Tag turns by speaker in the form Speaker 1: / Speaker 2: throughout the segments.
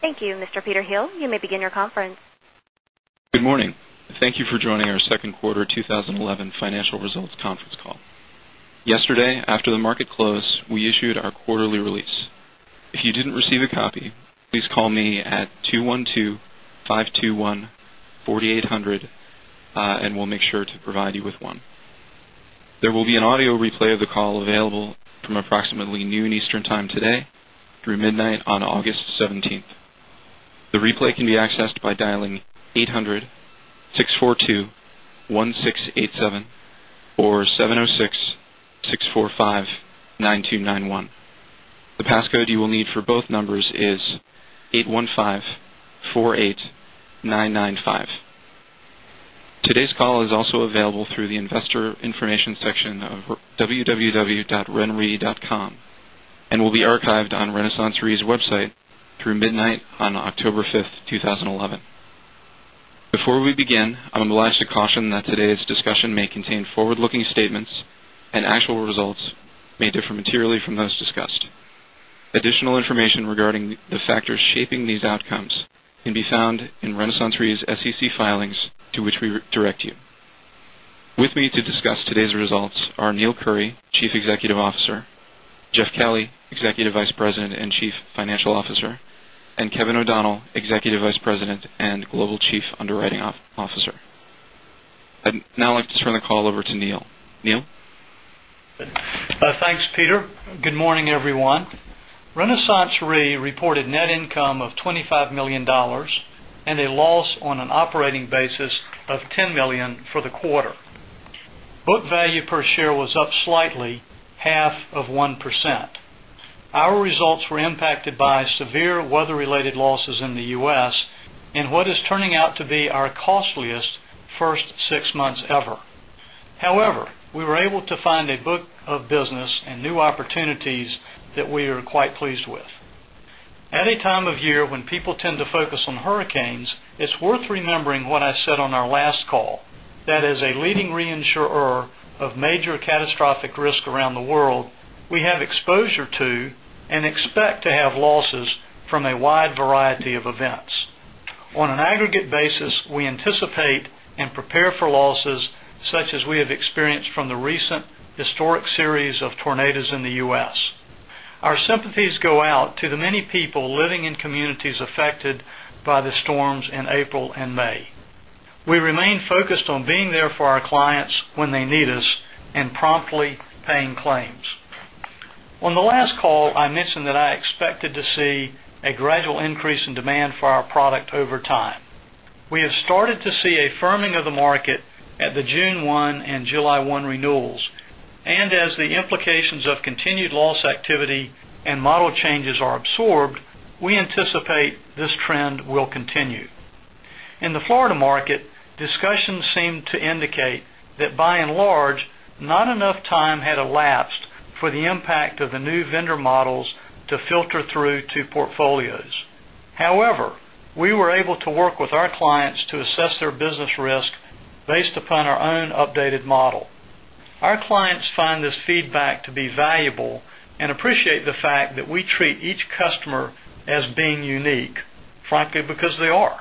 Speaker 1: Thank you, Mr. Peter Hill. You may begin your conference.
Speaker 2: Good morning. Thank you for joining our second quarter 2011 financial results conference call. Yesterday, after the market closed, we issued our quarterly release. If you didn't receive a copy, please call me at 212-521-4800, and we'll make sure to provide you with one. There will be an audio replay of the call available from approximately noon Eastern Time today through midnight on August 17th. The replay can be accessed by dialing 800-642-1687 or 706-645-9291. The passcode you will need for both numbers is 815-48995. Today's call is also available through the investor information section of www.renre.com and will be archived on RenaissanceRe's website through midnight on October 5th, 2011. Before we begin, I would like to caution that today's discussion may contain forward-looking statements and actual results may differ materially from those discussed. Additional information regarding the factors shaping these outcomes can be found in RenaissanceRe's SEC filings to which we direct you. With me to discuss today's results are Neill Currie, Chief Executive Officer, Jeff Kelly, Executive Vice President and Chief Financial Officer, and Kevin O'Donnell, Executive Vice President and Global Chief Underwriting Officer. I'd now like to turn the call over to Neill. Neill?
Speaker 3: Thanks, Peter. Good morning, everyone. RenaissanceRe reported net income of $25 million and a loss on an operating basis of $10 million for the quarter. Book value per share was up slightly half of 1%. Our results were impacted by severe weather-related losses in the U.S. in what is turning out to be our costliest first six months ever. We were able to find a book of business and new opportunities that we are quite pleased with. At a time of year when people tend to focus on hurricanes, it's worth remembering what I said on our last call, that as a leading reinsurer of major catastrophic risk around the world, we have exposure to and expect to have losses from a wide variety of events. On an aggregate basis, we anticipate and prepare for losses such as we have experienced from the recent historic series of tornadoes in the U.S. Our sympathies go out to the many people living in communities affected by the storms in April and May. We remain focused on being there for our clients when they need us and promptly paying claims. On the last call, I mentioned that I expected to see a gradual increase in demand for our product over time. We have started to see a firming of the market at the June 1 and July 1 renewals, and as the implications of continued loss activity and model changes are absorbed, we anticipate this trend will continue. In the Florida market, discussions seem to indicate that by and large, not enough time had elapsed for the impact of the new vendor models to filter through to portfolios. However, we were able to work with our clients to assess their business risk based upon our own updated model. Our clients find this feedback to be valuable and appreciate the fact that we treat each customer as being unique, frankly, because they are.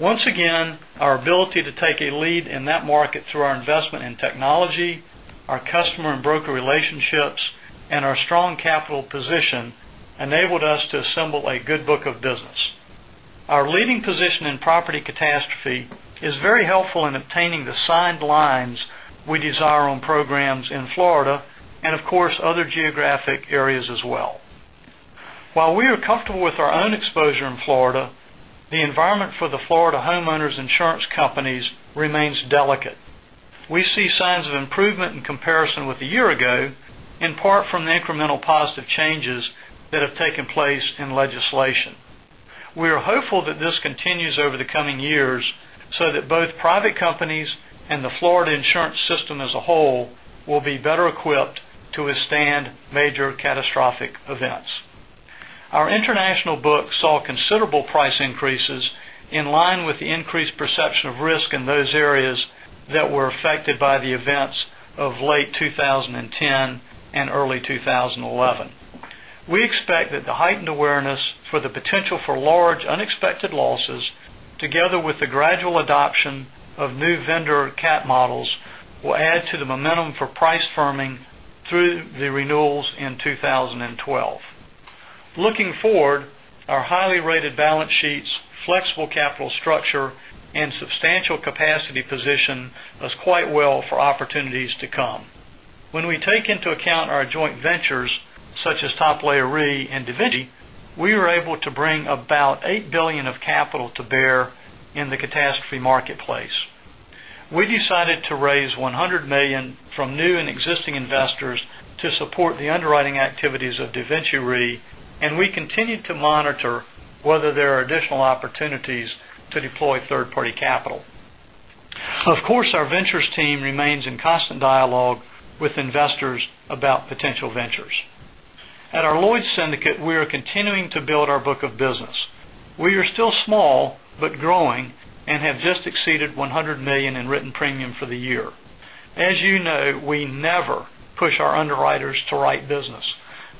Speaker 3: Once again, our ability to take a lead in that market through our investment in technology, our customer and broker relationships, and our strong capital position enabled us to assemble a good book of business. Our leading position in property catastrophe is very helpful in obtaining the signed lines we desire on programs in Florida and of course, other geographic areas as well. While we are comfortable with our own exposure in Florida, the environment for the Florida homeowners insurance companies remains delicate. We see signs of improvement in comparison with a year ago, in part from the incremental positive changes that have taken place in legislation. We are hopeful that this continues over the coming years so that both private companies and the Florida insurance system as a whole will be better equipped to withstand major catastrophic events. Our international book saw considerable price increases in line with the increased perception of risk in those areas that were affected by the events of late 2010 and early 2011. We expect that the heightened awareness for the potential for large, unexpected losses, together with the gradual adoption of new vendor cat models, will add to the momentum for price firming through the renewals in 2012. Looking forward, our highly rated balance sheets, flexible capital structure, and substantial capacity position is quite well for opportunities to come. When we take into account our joint ventures such as Top Layer Re and DaVinci, we were able to bring about $8 billion of capital to bear in the catastrophe marketplace. We decided to raise $100 million from new and existing investors to support the underwriting activities of DaVinci Re, and we continued to monitor whether there are additional opportunities to deploy third-party capital. Of course, our ventures team remains in constant dialogue with investors about potential ventures. At our Lloyd's Syndicate, we are continuing to build our book of business. We are still small but growing and have just exceeded $100 million in written premium for the year. As you know, we never push our underwriters to write business.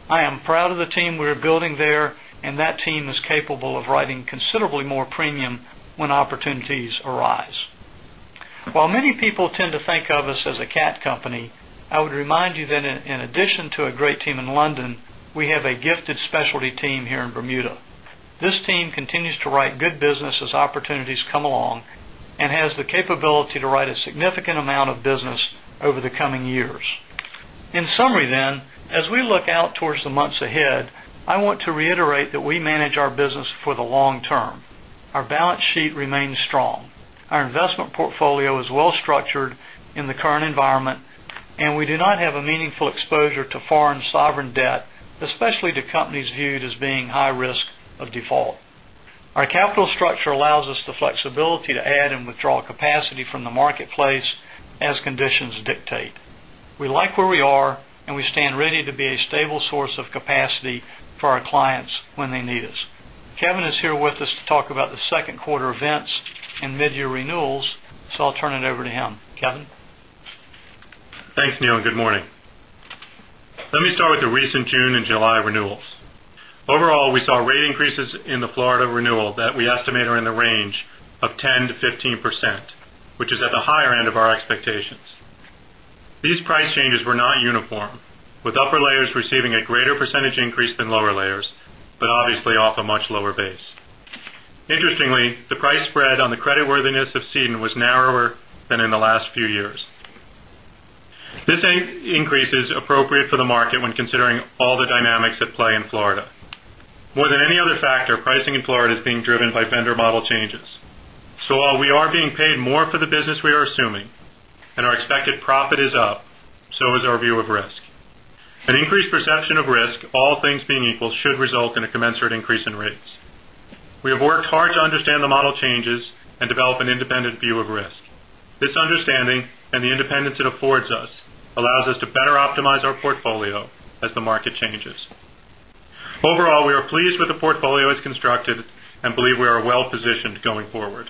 Speaker 3: I am proud of the team we are building there, and that team is capable of writing considerably more premium when opportunities arise. While many people tend to think of us as a cat company, I would remind you that in addition to a great team in London, we have a gifted specialty team here in Bermuda. This team continues to write good business as opportunities come along and has the capability to write a significant amount of business over the coming years. In summary, as we look out towards the months ahead, I want to reiterate that we manage our business for the long term. Our balance sheet remains strong. Our investment portfolio is well-structured in the current environment, and we do not have a meaningful exposure to foreign sovereign debt, especially to companies viewed as being high risk of default. Our capital structure allows us the flexibility to add and withdraw capacity from the marketplace as conditions dictate. We like where we are. We stand ready to be a stable source of capacity for our clients when they need us. Kevin is here with us to talk about the second quarter events and midyear renewals. I'll turn it over to him. Kevin?
Speaker 4: Thanks, Neill. Good morning. Let me start with the recent June and July renewals. Overall, we saw rate increases in the Florida renewal that we estimate are in the range of 10%-15%, which is at the higher end of our expectations. These price changes were not uniform, with upper layers receiving a greater percentage increase than lower layers, but obviously off a much lower base. Interestingly, the price spread on the credit worthiness of cedent was narrower than in the last few years. This increase is appropriate for the market when considering all the dynamics at play in Florida. More than any other factor, pricing in Florida is being driven by vendor model changes. While we are being paid more for the business we are assuming and our expected profit is up, so is our view of risk. An increased perception of risk, all things being equal, should result in a commensurate increase in rates. We have worked hard to understand the model changes and develop an independent view of risk. This understanding and the independence it affords us allows us to better optimize our portfolio as the market changes. Overall, we are pleased with the portfolio it's constructed and believe we are well-positioned going forward.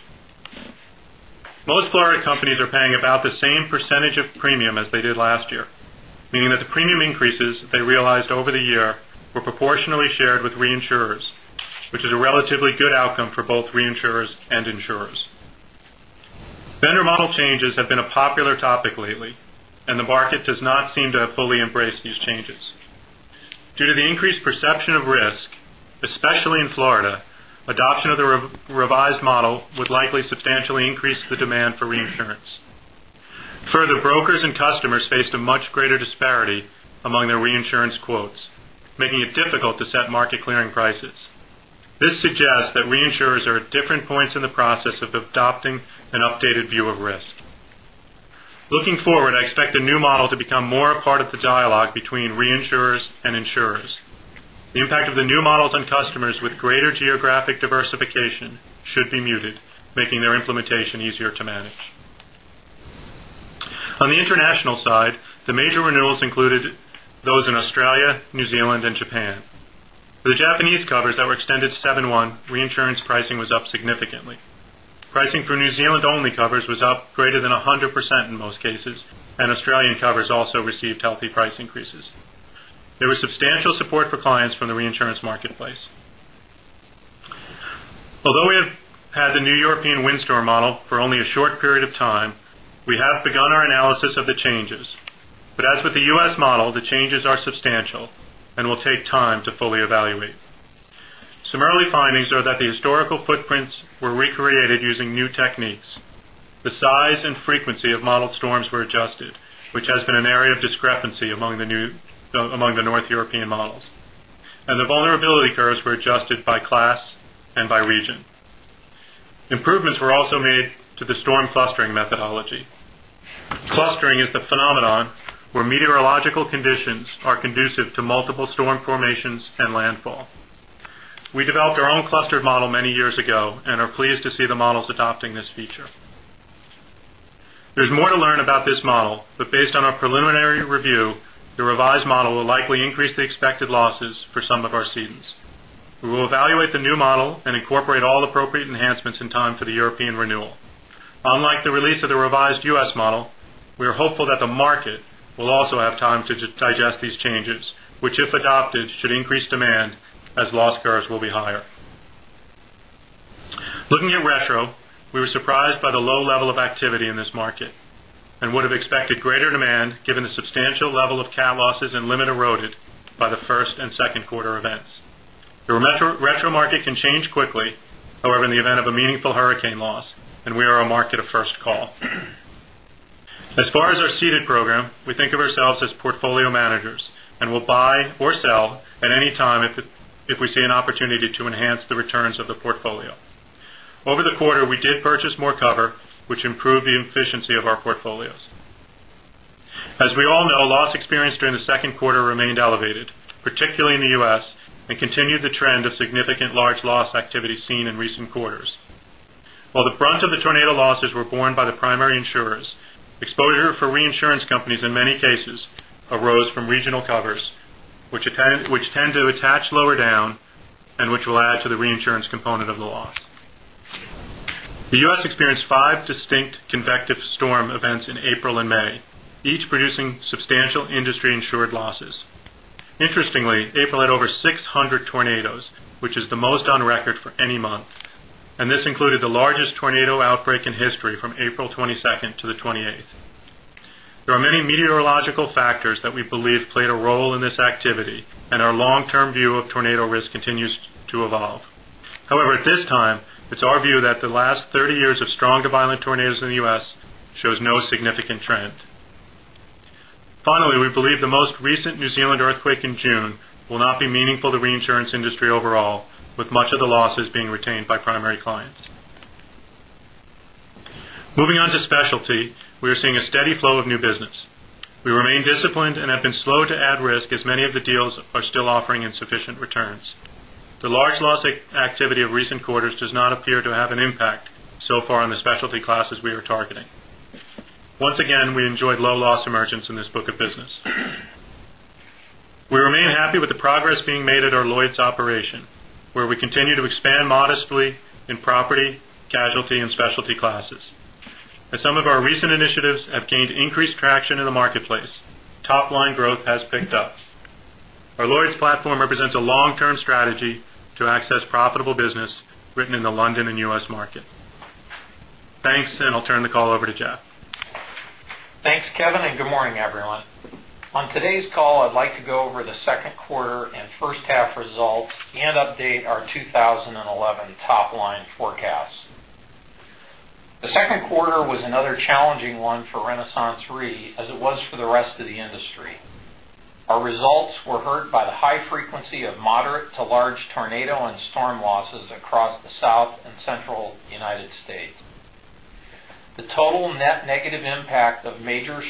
Speaker 4: Most Florida companies are paying about the same percentage of premium as they did last year, meaning that the premium increases they realized over the year were proportionally shared with reinsurers, which is a relatively good outcome for both reinsurers and insurers. Vendor model changes have been a popular topic lately. The market does not seem to have fully embraced these changes. Due to the increased perception of risk, especially in Florida, adoption of the revised model would likely substantially increase the demand for reinsurance. Further, brokers and customers faced a much greater disparity among their reinsurance quotes, making it difficult to set market clearing prices. This suggests that reinsurers are at different points in the process of adopting an updated view of risk. Looking forward, I expect the new model to become more a part of the dialogue between reinsurers and insurers. The impact of the new models on customers with greater geographic diversification should be muted, making their implementation easier to manage. On the international side, the major renewals included those in Australia, New Zealand, and Japan. For the Japanese covers that were extended seven-one, reinsurance pricing was up significantly. Pricing for New Zealand only covers was up greater than 100% in most cases, and Australian covers also received healthy price increases. There was substantial support for clients from the reinsurance marketplace. Although we have had the New European Windstorm Model for only a short period of time, we have begun our analysis of the changes. As with the U.S. model, the changes are substantial and will take time to fully evaluate. Some early findings are that the historical footprints were recreated using new techniques. The size and frequency of modeled storms were adjusted, which has been an area of discrepancy among the North European models. The vulnerability curves were adjusted by class and by region. Improvements were also made to the storm clustering methodology. Clustering is the phenomenon where meteorological conditions are conducive to multiple storm formations and landfall. We developed our own cluster model many years ago and are pleased to see the models adopting this feature. There is more to learn about this model, but based on our preliminary review, the revised model will likely increase the expected losses for some of our cedents. We will evaluate the new model and incorporate all appropriate enhancements in time for the European renewal. Unlike the release of the revised U.S. model, we are hopeful that the market will also have time to digest these changes, which, if adopted, should increase demand as loss curves will be higher. Looking at retro, we were surprised by the low level of activity in this market and would have expected greater demand, given the substantial level of cat losses and limit eroded by the first and second quarter events. The retro market can change quickly, however, in the event of a meaningful hurricane loss, and we are a market of first call. As far as our ceded program, we think of ourselves as portfolio managers and will buy or sell at any time if we see an opportunity to enhance the returns of the portfolio. Over the quarter, we did purchase more cover, which improved the efficiency of our portfolios. As we all know, loss experienced during the second quarter remained elevated, particularly in the U.S., and continued the trend of significant large loss activity seen in recent quarters. While the brunt of the tornado losses were borne by the primary insurers, exposure for reinsurance companies in many cases arose from regional covers which tend. The U.S. experienced five distinct convective storm events in April and May, each producing substantial industry insured losses. Interestingly, April had over 600 tornadoes, which is the most on record for any month, and this included the largest tornado outbreak in history from April 22nd to the 28th. There are many meteorological factors that we believe played a role in this activity. Our long-term view of tornado risk continues to evolve. However, at this time, it's our view that the last 30 years of strong to violent tornadoes in the U.S. shows no significant trend. We believe the most recent New Zealand earthquake in June will not be meaningful to the reinsurance industry overall, with much of the losses being retained by primary clients. Moving on to specialty, we are seeing a steady flow of new business. We remain disciplined and have been slow to add risk as many of the deals are still offering insufficient returns. The large loss activity of recent quarters does not appear to have an impact so far on the specialty classes we are targeting. We enjoyed low loss emergence in this book of business. We remain happy with the progress being made at our Lloyd's operation, where we continue to expand modestly in property, casualty, and specialty classes. As some of our recent initiatives have gained increased traction in the marketplace, top-line growth has picked up. Our Lloyd's platform represents a long-term strategy to access profitable business written in the London and U.S. market. Thanks, I'll turn the call over to Jeff.
Speaker 5: Thanks, Kevin, good morning, everyone. On today's call, I'd like to go over the second quarter and first half results and update our 2011 top-line forecast. The second quarter was another challenging one for RenaissanceRe as it was for the rest of the industry. Our results were hurt by the high frequency of moderate to large tornado and storm losses across the South and Central United States. The total net negative impact of major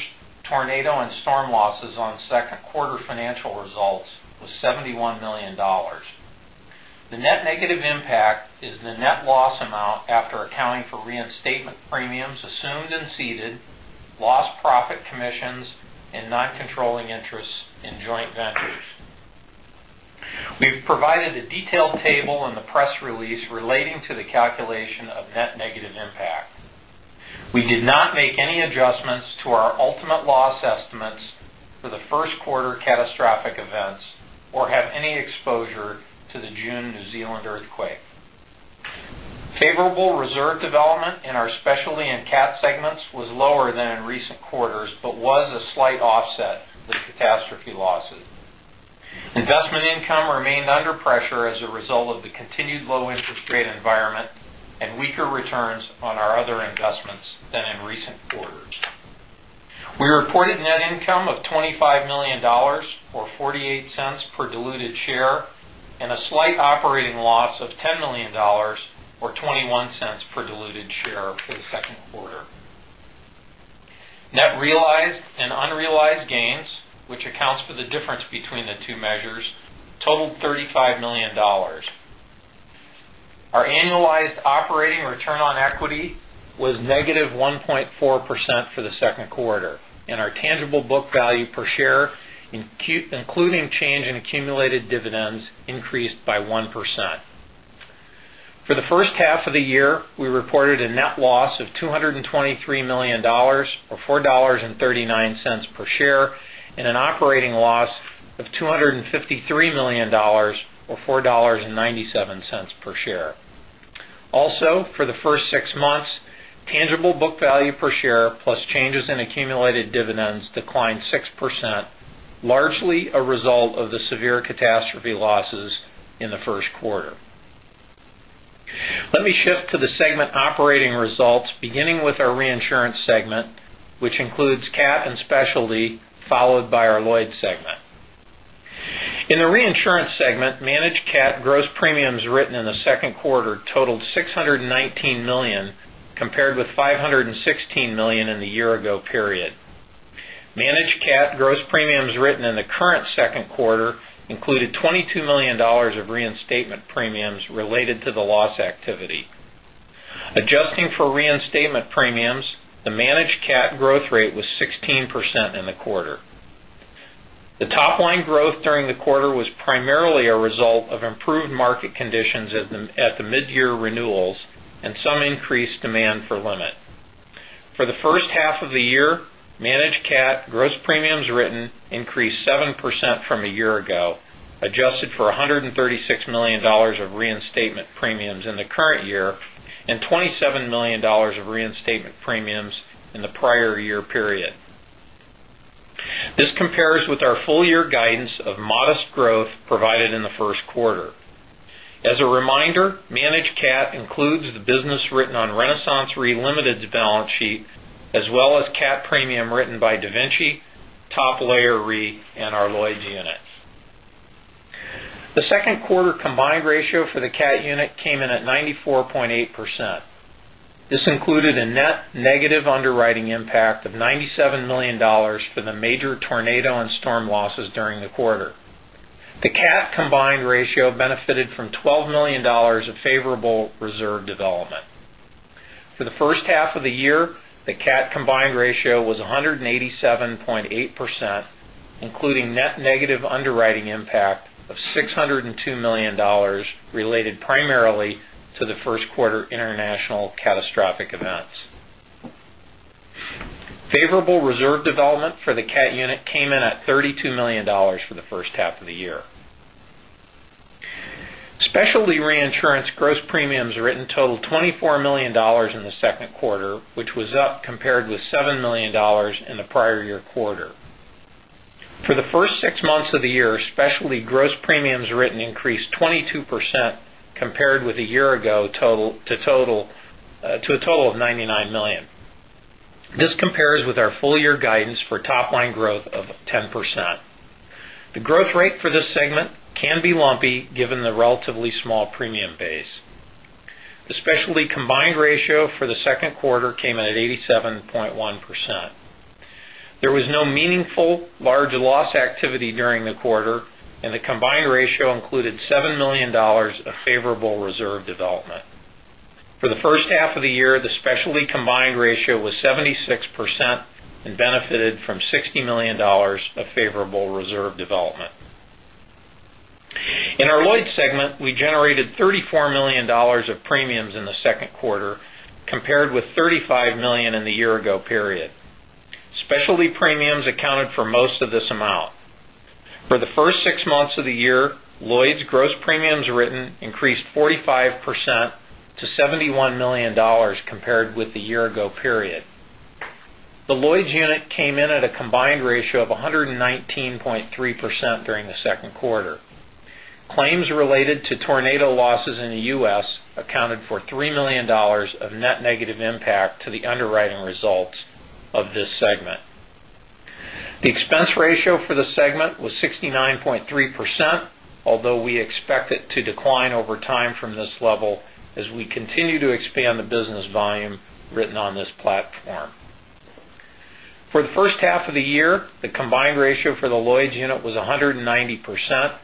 Speaker 5: tornado and storm losses on second quarter financial results was $71 million. The net negative impact is the net loss amount after accounting for reinstatement premiums assumed and ceded, lost profit commissions, and non-controlling interests in joint ventures. We've provided a detailed table in the press release relating to the calculation of net negative impact. We did not make any adjustments to our ultimate loss estimates for the first quarter catastrophic events or have any exposure to the June New Zealand earthquake. Favorable reserve development in our specialty and cat segments was lower than in recent quarters, but was a slight offset to the catastrophe losses. Investment income remained under pressure as a result of the continued low interest rate environment and weaker returns on our other investments than in recent quarters. We reported net income of $25 million, or $0.48 per diluted share, and a slight operating loss of $10 million, or $0.21 per diluted share for the second quarter. Net realized and unrealized gains, which accounts for the difference between the two measures, totaled $35 million. Our annualized operating return on equity was -1.4% for the second quarter, and our tangible book value per share, including change in accumulated dividends, increased by 1%. For the first half of the year, we reported a net loss of $223 million, or $4.39 per share, and an operating loss of $253 million, or $4.97 per share. For the first six months, tangible book value per share plus changes in accumulated dividends declined 6%, largely a result of the severe catastrophe losses in the first quarter. Let me shift to the segment operating results, beginning with our reinsurance segment, which includes cat and specialty, followed by our Lloyd's segment. In the reinsurance segment, managed cat gross premiums written in the second quarter totaled $619 million, compared with $516 million in the year ago period. Managed cat gross premiums written in the current second quarter included $22 million of reinstatement premiums related to the loss activity. Adjusting for reinstatement premiums, the managed cat growth rate was 16% in the quarter. The top line growth during the quarter was primarily a result of improved market conditions at the mid-year renewals and some increased demand for limit. For the first half of the year, managed cat gross premiums written increased 7% from a year ago, adjusted for $136 million of reinstatement premiums in the current year and $27 million of reinstatement premiums in the prior year period. This compares with our full year guidance of modest growth provided in the first quarter. As a reminder, managed cat includes the business written on RenaissanceRe Limited's balance sheet, as well as cat premium written by DaVinci, Top Layer Re, and our Lloyd's units. The second quarter combined ratio for the cat unit came in at 94.8%. This included a net negative underwriting impact of $97 million for the major tornado and storm losses during the quarter. The cat combined ratio benefited from $12 million of favorable reserve development. For the first half of the year, the cat combined ratio was 187.8%, including net negative underwriting impact of $602 million related primarily to the first quarter international catastrophic events. Favorable reserve development for the cat unit came in at $32 million for the first half of the year. Specialty reinsurance gross premiums written totaled $24 million in the second quarter, which was up compared with $7 million in the prior year quarter. For the first six months of the year, specialty gross premiums written increased 22% compared with a year ago to a total of $99 million. This compares with our full year guidance for top line growth of 10%. The growth rate for this segment can be lumpy given the relatively small premium base. The specialty combined ratio for the second quarter came in at 87.1%. There was no meaningful large loss activity during the quarter, and the combined ratio included $7 million of favorable reserve development. For the first half of the year, the specialty combined ratio was 76% and benefited from $60 million of favorable reserve development. In our Lloyd's segment, we generated $34 million of premiums in the second quarter, compared with $35 million in the year ago period. Specialty premiums accounted for most of this amount. For the first six months of the year, Lloyd's gross premiums written increased 45% to $71 million compared with the year ago period. The Lloyd's unit came in at a combined ratio of 119.3% during the second quarter. Claims related to tornado losses in the U.S. accounted for $3 million of net negative impact to the underwriting results of this segment. The expense ratio for the segment was 69.3%, although we expect it to decline over time from this level as we continue to expand the business volume written on this platform. For the first half of the year, the combined ratio for the Lloyd's unit was 190%,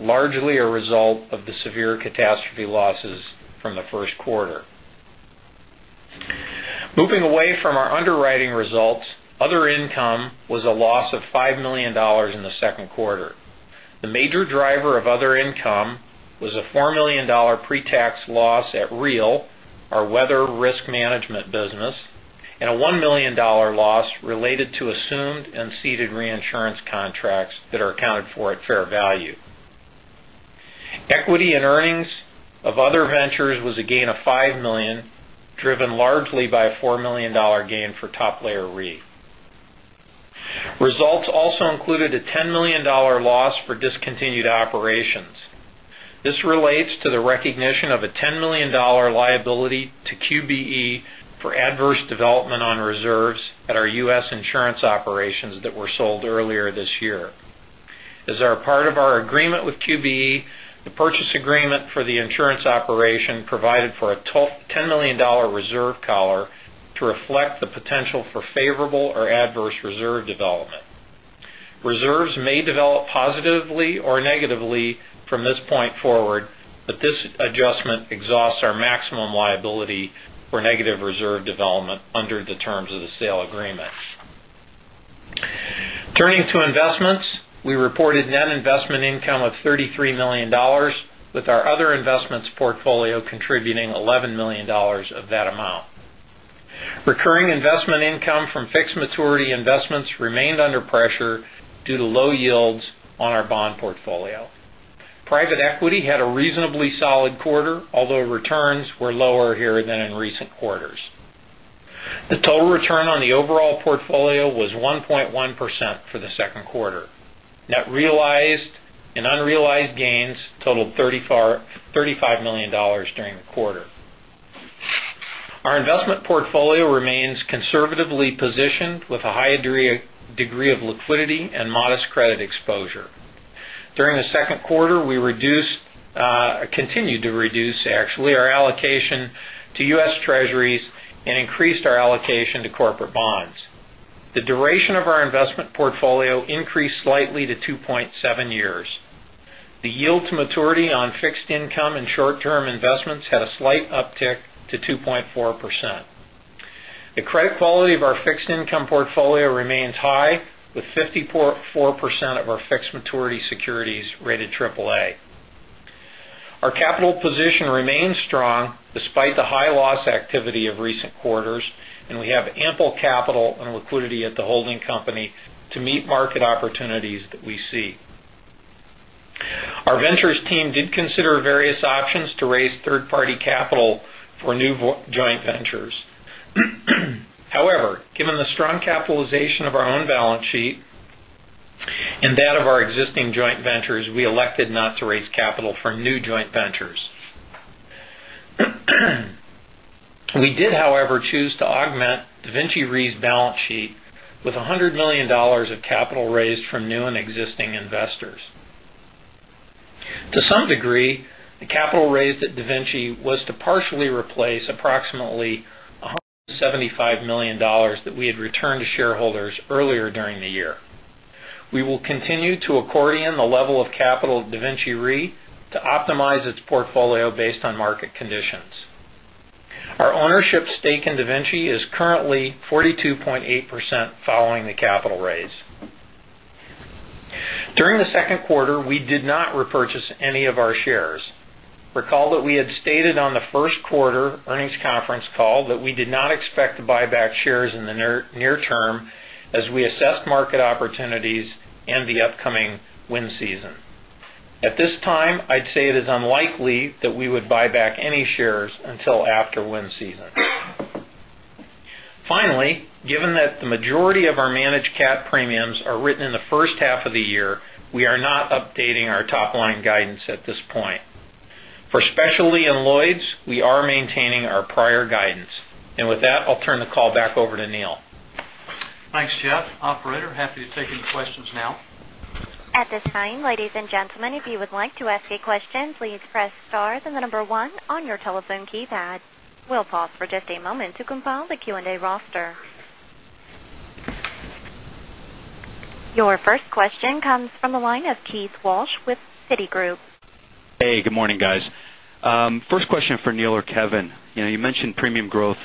Speaker 5: largely a result of the severe catastrophe losses from the first quarter. Moving away from our underwriting results, other income was a loss of $5 million in the second quarter. The major driver of other income was a $4 million pre-tax loss at RenRe Energy Advisors Ltd., our weather risk management business, and a $1 million loss related to assumed and ceded reinsurance contracts that are accounted for at fair value. Equity and earnings of other ventures was a gain of $5 million, driven largely by a $4 million gain for Top Layer Re. Results also included a $10 million loss for discontinued operations. This relates to the recognition of a $10 million liability to QBE for adverse development on reserves at our U.S. insurance operations that were sold earlier this year. As part of our agreement with QBE, the purchase agreement for the insurance operation provided for a $10 million reserve collar to reflect the potential for favorable or adverse reserve development. Reserves may develop positively or negatively from this point forward, this adjustment exhausts our maximum liability for negative reserve development under the terms of the sale agreement. Turning to investments, we reported net investment income of $33 million, with our other investments portfolio contributing $11 million of that amount. Recurring investment income from fixed maturity investments remained under pressure due to low yields on our bond portfolio. Private equity had a reasonably solid quarter, although returns were lower here than in recent quarters. The total return on the overall portfolio was 1.1% for the second quarter. Net realized and unrealized gains totaled $35 million during the quarter. Our investment portfolio remains conservatively positioned with a high degree of liquidity and modest credit exposure. During the second quarter, we continued to reduce our allocation to U.S. Treasuries and increased our allocation to corporate bonds. The duration of our investment portfolio increased slightly to 2.7 years. The yield to maturity on fixed income and short-term investments had a slight uptick to 2.4%. The credit quality of our fixed income portfolio remains high with 54% of our fixed maturity securities rated Triple-A. Our capital position remains strong despite the high loss activity of recent quarters, we have ample capital and liquidity at the holding company to meet market opportunities that we see. Our ventures team did consider various options to raise third-party capital for new joint ventures. Given the strong capitalization of our own balance sheet and that of our existing joint ventures, we elected not to raise capital from new joint ventures. We did, however, choose to augment DaVinci Re's balance sheet with $100 million of capital raised from new and existing investors. To some degree, the capital raised at DaVinci was to partially replace approximately $175 million that we had returned to shareholders earlier during the year. We will continue to accordion the level of capital of DaVinci Re to optimize its portfolio based on market conditions. Our ownership stake in DaVinci is currently 42.8% following the capital raise. During the second quarter, we did not repurchase any of our shares. Recall that we had stated on the first quarter earnings conference call that we did not expect to buy back shares in the near term as we assess market opportunities and the upcoming wind season. At this time, I'd say it is unlikely that we would buy back any shares until after wind season. Given that the majority of our managed cat premiums are written in the first half of the year, we are not updating our top-line guidance at this point. For specialty and Lloyd's, we are maintaining our prior guidance. With that, I'll turn the call back over to Neill.
Speaker 3: Thanks, Jeff. Operator, happy to take any questions now.
Speaker 1: At this time, ladies and gentlemen, if you would like to ask a question, please press star and the number 1 on your telephone keypad. We'll pause for just a moment to compile the Q&A roster. Your first question comes from the line of Keith Walsh with Citigroup.
Speaker 6: Hey, good morning, guys. First question for Neill or Kevin. You mentioned premium growth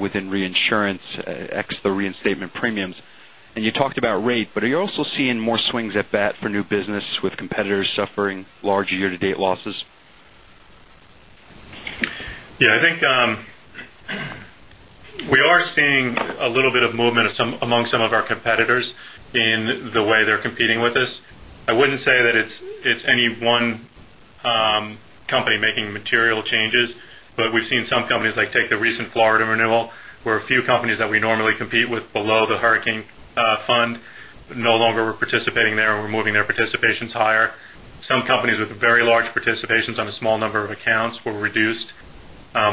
Speaker 6: within reinsurance ex the reinstatement premiums, you talked about rate, are you also seeing more swings at bat for new business with competitors suffering large year-to-date losses?
Speaker 4: Yeah, I think we are seeing a little bit of movement among some of our competitors in the way they're competing with us. I wouldn't say that it's any one company making material changes. We've seen some companies, like take the recent Florida renewal, where a few companies that we normally compete with below the hurricane fund no longer were participating there, were moving their participations higher. Some companies with very large participations on a small number of accounts were reduced.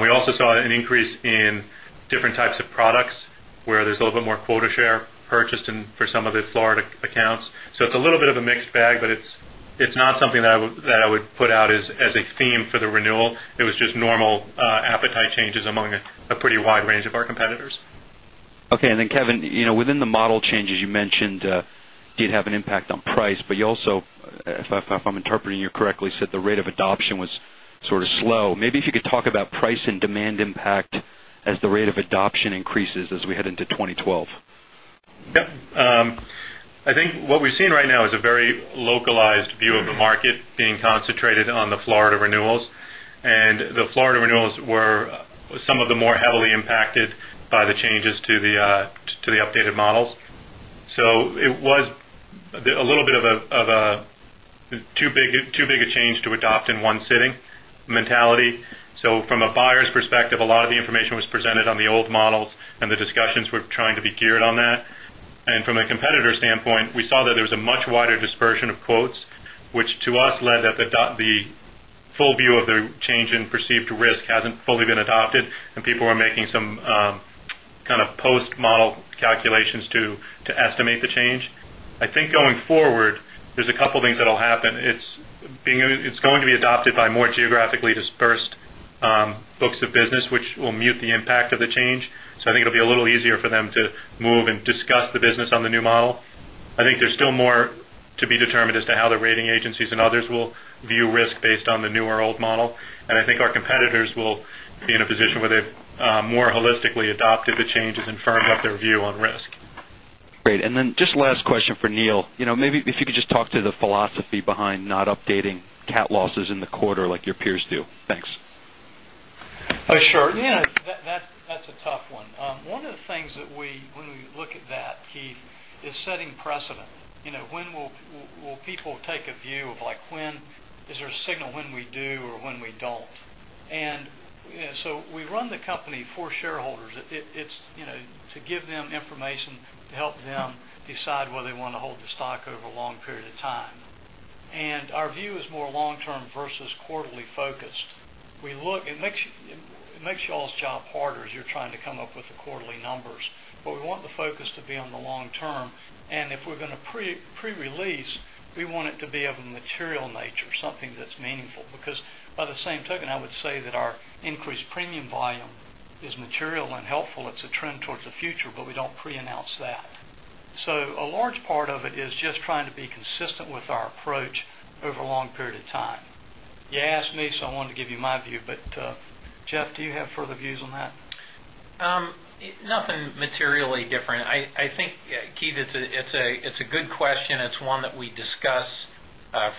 Speaker 4: We also saw an increase in different types of products where there's a little bit more quota share purchased for some of the Florida accounts. It's a little bit of a mixed bag, it's not something that I would put out as a theme for the renewal. It was just normal appetite changes among a pretty wide range of our competitors.
Speaker 6: Okay. Kevin, within the model changes you mentioned did have an impact on price, you also, if I'm interpreting you correctly, said the rate of adoption was sort of slow. Maybe if you could talk about price and demand impact as the rate of adoption increases as we head into 2012.
Speaker 4: Yep. I think what we've seen right now is a very localized view of the market being concentrated on the Florida renewals, the Florida renewals were some of the more heavily impacted by the changes to the updated models. It was a little bit of a too-big-a-change-to-adopt-in-one-sitting mentality. From a buyer's perspective, a lot of the information was presented on the old models, the discussions were trying to be geared on that. From a competitor standpoint, we saw that there was a much wider dispersion of quotes, which to us led that the full view of the change in perceived risk hasn't fully been adopted, people are making some kind of post-model calculations to estimate the change. I think going forward, there's a couple things that'll happen. It's going to be adopted by more geographically dispersed books of business, which will mute the impact of the change. I think it'll be a little easier for them to move and discuss the business on the new model. I think there's still more to be determined as to how the rating agencies and others will view risk based on the new or old model. I think our competitors will be in a position where they've more holistically adopted the changes and firmed up their view on risk.
Speaker 6: Great. Just last question for Neill. Maybe if you could just talk to the philosophy behind not updating cat losses in the quarter like your peers do. Thanks.
Speaker 3: Sure. That's a tough one. One of the things when we look at that, Keith, is setting precedent. When will people take a view of when is there a signal when we do or when we don't? We run the company for shareholders. It's to give them information to help them decide whether they want to hold the stock over a long period of time. Our view is more long-term versus quarterly focused. It makes y'all's job harder as you're trying to come up with the quarterly numbers. We want the focus to be on the long term, and if we're going to pre-release, we want it to be of a material nature, something that's meaningful. By the same token, I would say that our increased premium volume is material and helpful. It's a trend towards the future, but we don't pre-announce that. A large part of it is just trying to be consistent with our approach over a long period of time. You asked me, so I wanted to give you my view, but Jeffrey, do you have further views on that?
Speaker 5: Nothing materially different. I think, Keith, it's a good question. It's one that we discuss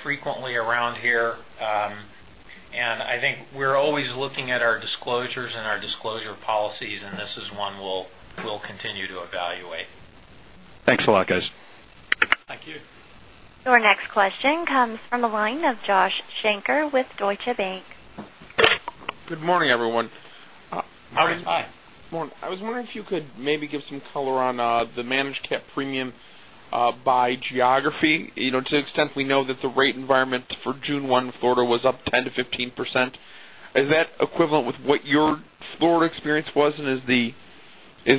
Speaker 5: frequently around here. I think we're always looking at our disclosures and our disclosure policies, and this is one we'll continue to evaluate.
Speaker 6: Thanks a lot, guys.
Speaker 3: Thank you.
Speaker 1: Your next question comes from the line of Joshua Shanker with Deutsche Bank.
Speaker 7: Good morning, everyone.
Speaker 3: Hi.
Speaker 7: Morning. I was wondering if you could maybe give some color on the managed cat premium by geography. To the extent we know that the rate environment for June 1 Florida was up 10% to 15%, is that equivalent with what your Florida experience was, and is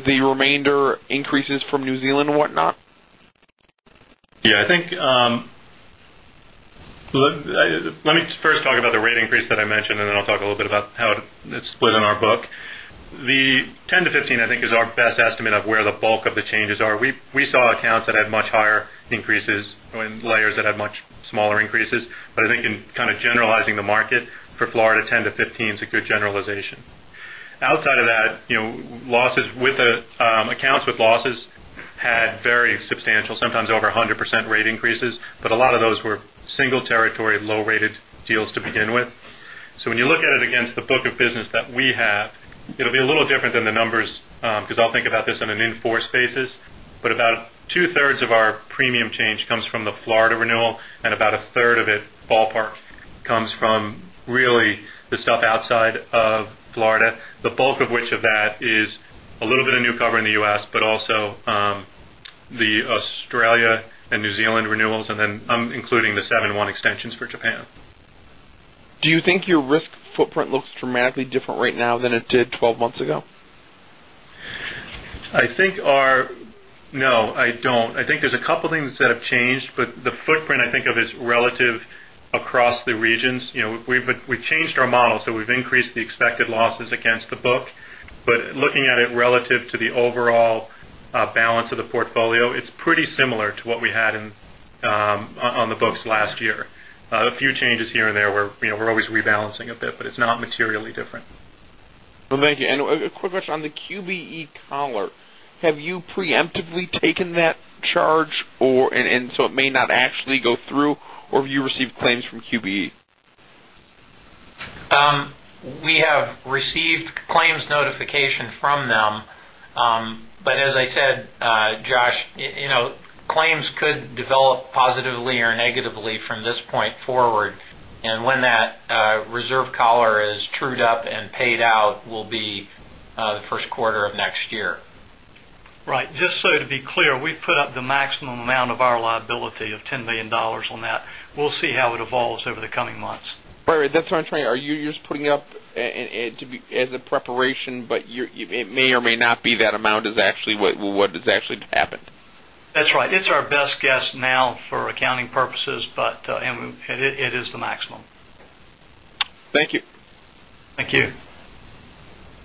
Speaker 7: the remainder increases from New Zealand and whatnot?
Speaker 4: Yeah. I think, let me first talk about the rate increased that I mentioned and then I'll talk a little bit about how net split in our book. The 10% to 15%, I think is our best estimate of where the bulk of the changes are. We saw accounts that had much higher increases and layers that had much smaller increases. I think in kind of generalizing the market for Florida, 10% to 15% is a good generalization. Outside of that, accounts with losses had very substantial, sometimes over 100% rate increases, a lot of those were single territory, low-rated deals to begin with. When you look at it against the book of business that we have, it'll be a little different than the numbers, because I'll think about this on an in-force basis. About two-thirds of our premium change comes from the Florida renewal, and about a third of it, ballpark, comes from really the stuff outside of Florida, the bulk of which of that is a little bit of new cover in the U.S., also the Australia and New Zealand renewals, and then including the 7/1 extensions for Japan.
Speaker 7: Do you think your risk footprint looks dramatically different right now than it did 12 months ago?
Speaker 4: No, I don't. I think there's a couple things that have changed, but the footprint I think of as relative across the regions. We've changed our model, so we've increased the expected losses against the book. Looking at it relative to the overall balance of the portfolio, it's pretty similar to what we had on the books last year. A few changes here and there where we're always rebalancing a bit, but it's not materially different.
Speaker 7: Thank you. A quick question on the QBE collar. Have you preemptively taken that charge and so it may not actually go through, or have you received claims from QBE?
Speaker 5: We have received claims notification from them. As I said, Josh, claims could develop positively or negatively from this point forward. When that reserve collar is trued up and paid out will be the first quarter of next year.
Speaker 3: Right. Just so to be clear, we put up the maximum amount of our liability of $10 million on that. We'll see how it evolves over the coming months.
Speaker 7: Right. That's what I'm trying. Are you just putting it up as a preparation, but it may or may not be that amount is actually what has actually happened?
Speaker 3: That's right. It's our best guess now for accounting purposes, and it is the maximum.
Speaker 7: Thank you.
Speaker 3: Thank you.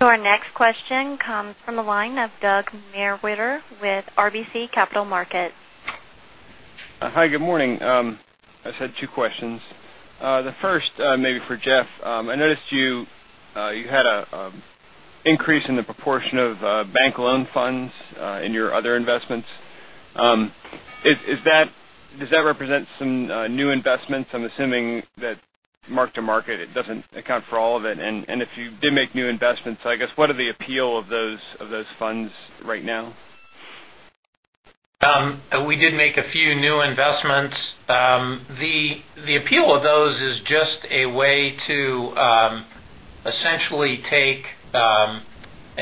Speaker 1: Our next question comes from the line of Doug Mewhirter with RBC Capital Markets.
Speaker 8: Hi, good morning. I just had two questions. The first maybe for Jeff. I noticed you had an increase in the proportion of bank loan funds in your other investments. Does that represent some new investments? I'm assuming that mark to market, it doesn't account for all of it. If you did make new investments, I guess, what are the appeal of those funds right now?
Speaker 5: We did make a few new investments. The appeal of those is just a way to essentially take an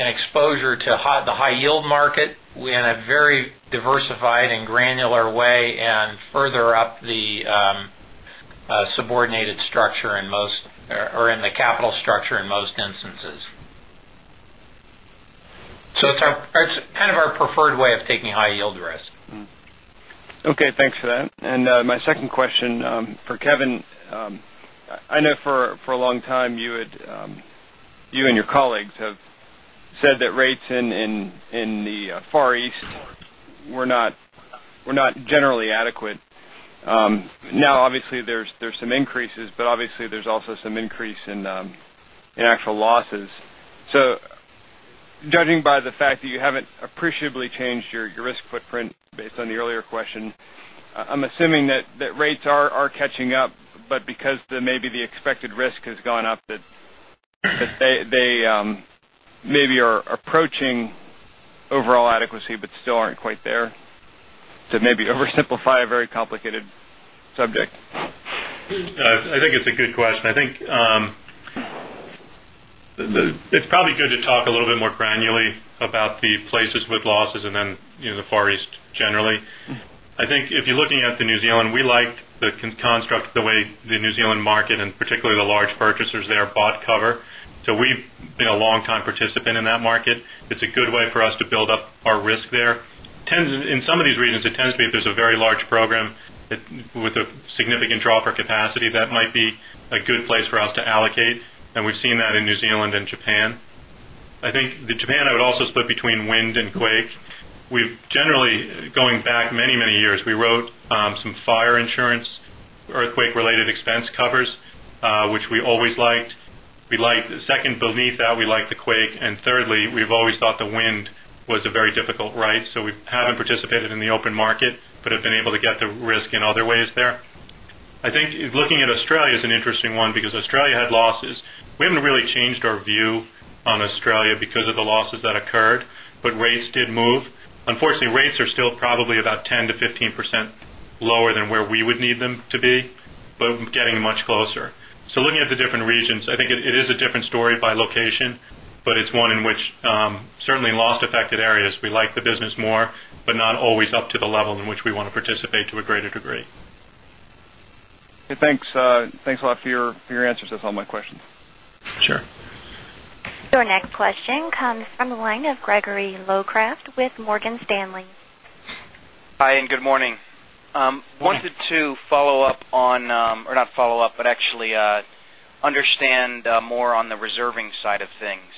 Speaker 5: exposure to the high yield market in a very diversified and granular way and further up the subordinated structure in most or in the capital structure in most instances. It's kind of our preferred way of taking high yield risk.
Speaker 8: Okay, thanks for that. My second question for Kevin. I know for a long time, you and your colleagues have said that rates in the Far East were not generally adequate. Obviously there's some increases, but obviously there's also some increase in actual losses. Judging by the fact that you haven't appreciably changed your risk footprint based on the earlier question, I'm assuming that rates are catching up, but because maybe the expected risk has gone up, that they maybe are approaching overall adequacy but still aren't quite there. To maybe oversimplify a very complicated subject.
Speaker 4: I think it's a good question. I think it's probably good to talk a little bit more granularly about the places with losses and then the Far East generally. I think if you're looking at New Zealand, we like the construct the way the New Zealand market and particularly the large purchasers there bought cover. We've been a long-time participant in that market. It's a good way for us to build up our risk there. In some of these regions, it tends to be if there's a very large program with a significant drop of capacity, that might be a good place for us to allocate, and we've seen that in New Zealand and Japan. I think the Japan, I would also split between wind and quake. We've generally, going back many years, we wrote some fire insurance, earthquake-related expense covers, which we always liked. Second, beneath that, we liked the quake, and thirdly, we've always thought the wind was a very difficult ride. We haven't participated in the open market but have been able to get the risk in other ways there. I think looking at Australia is an interesting one because Australia had losses. We haven't really changed our view on Australia because of the losses that occurred, but rates did move. Unfortunately, rates are still probably about 10%-15% lower than where we would need them to be, but getting much closer. Looking at the different regions, I think it is a different story by location, but it's one in which certainly in loss-affected areas, we like the business more, but not always up to the level in which we want to participate to a greater degree.
Speaker 8: Thanks a lot for your answers. That's all my questions.
Speaker 4: Sure.
Speaker 1: Your next question comes from the line of Gregory Locraft with Morgan Stanley.
Speaker 9: Hi, good morning. I wanted to follow up on, or not follow up, but actually understand more on the reserving side of things.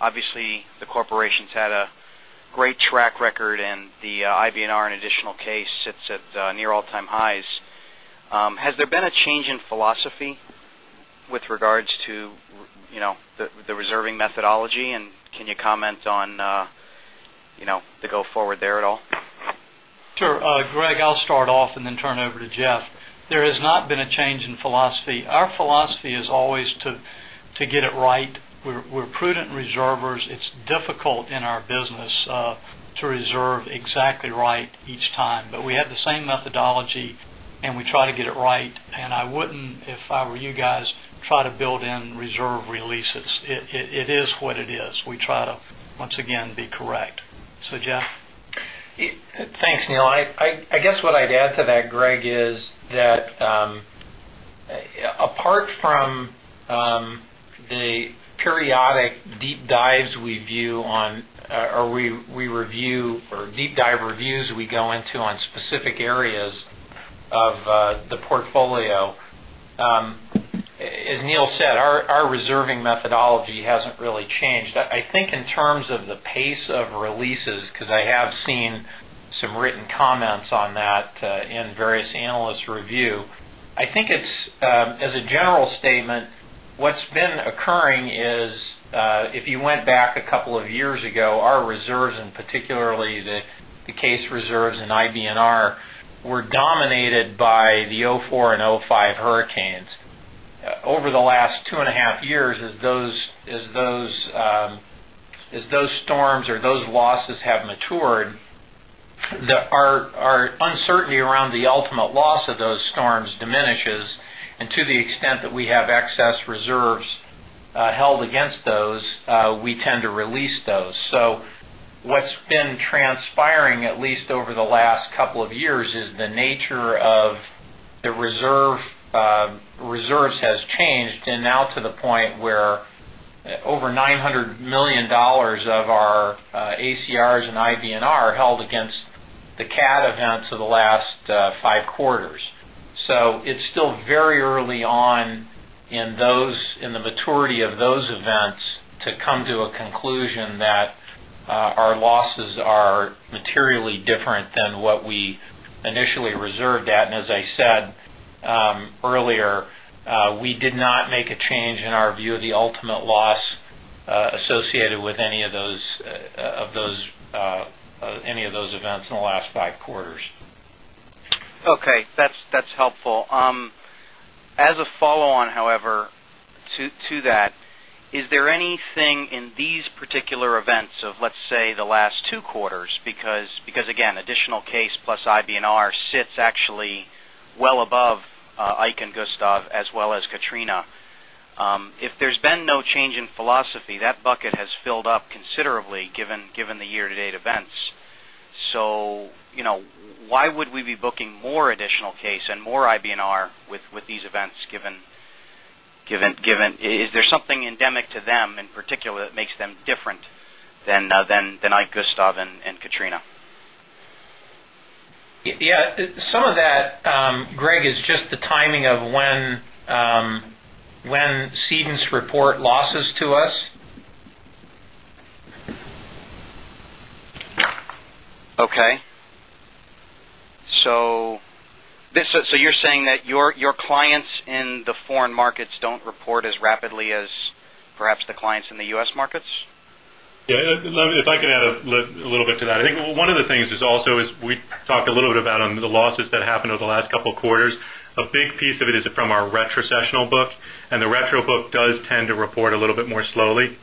Speaker 9: Obviously, the corporation's had a great track record, the IBNR and additional case sits at near all-time highs. Has there been a change in philosophy with regards to the reserving methodology, can you comment on the go forward there at all?
Speaker 3: Sure. Greg, I'll start off then turn over to Jeff. There has not been a change in philosophy. Our philosophy is always to get it right. We're prudent reservers. It's difficult in our business to reserve exactly right each time. We have the same methodology, we try to get it right. I wouldn't, if I were you guys, try to build in reserve releases. It is what it is. We try to, once again, be correct. Jeff?
Speaker 5: Thanks, Neill. I guess what I'd add to that, Greg, is that apart from the periodic deep dives we view on, or we review or deep dive reviews we go into on specific areas of the portfolio, as Neill said, our reserving methodology hasn't really changed. I think in terms of the pace of releases, because I have seen some written comments on that in various analysts' review, I think as a general statement, what's been occurring is, if you went back a couple of years ago, our reserves, particularly the case reserves and IBNR, were dominated by the 2004 and 2005 hurricanes. Over the last two and a half years, as those storms or those losses have matured, our uncertainty around the ultimate loss of those storms diminishes, to the extent that we have excess reserves held against those, we tend to release those. What's been transpiring, at least over the last couple of years, is the nature of the reserves has changed, and now to the point where over $900 million of our ACRS and IBNR held against the CAT events of the last five quarters. It's still very early on in the maturity of those events to come to a conclusion that our losses are materially different than what we initially reserved at. As I said earlier, we did not make a change in our view of the ultimate loss associated with any of those events in the last five quarters.
Speaker 9: Okay. That's helpful. As a follow-on, however, to that, is there anything in these particular events of, let's say, the last two quarters, because again, additional case plus IBNR sits actually well above Ike and Gustav as well as Katrina. If there's been no change in philosophy, that bucket has filled up considerably given the year-to-date events. Why would we be booking more additional case and more IBNR with these events given-- is there something endemic to them in particular that makes them different than Ike, Gustav, and Katrina?
Speaker 5: Yeah. Some of that, Greg, is just the timing of when cedents report losses to us.
Speaker 9: Okay. You're saying that your clients in the foreign markets don't report as rapidly as perhaps the clients in the U.S. markets?
Speaker 4: Yeah. If I could add a little bit to that. I think one of the things is also is we talked a little bit about on the losses that happened over the last couple of quarters. A big piece of it is from our retrocessional book, and the retro book does tend to report a little bit more slowly.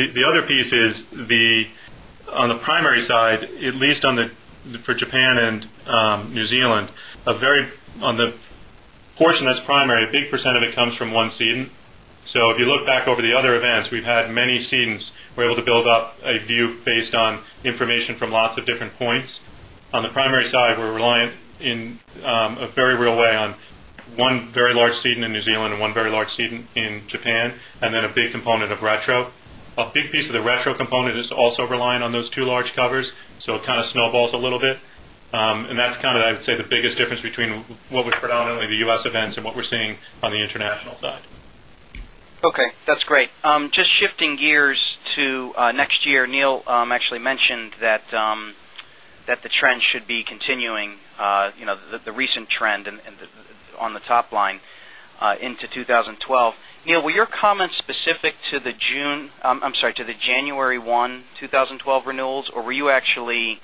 Speaker 4: The other piece is on the primary side, at least for Japan and New Zealand, on the portion that's primary, a big percent of it comes from one cedent. If you look back over the other events, we've had many cedents. We're able to build up a view based on information from lots of different points. On the primary side, we're reliant in a very real way on one very large cedent in New Zealand and one very large cedent in Japan, and then a big component of retro. A big piece of the retro component is also reliant on those two large covers, it kind of snowballs a little bit. That's kind of, I would say, the biggest difference between what was predominantly the U.S. events and what we're seeing on the international side.
Speaker 9: Okay, that's great. Just shifting gears to next year, Neill actually mentioned that the trend should be continuing, the recent trend on the top line into 2012. Neill, were your comments specific to the June, I'm sorry, to the January 1, 2012 renewals, or were you actually